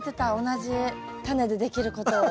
同じタネでできることを。